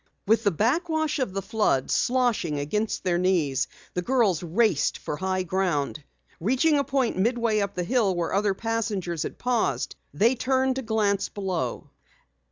With the back wash of the flood sloshing against their knees, the girls raced for high ground. Reaching a point midway up the hill where other passengers had paused, they turned to glance below.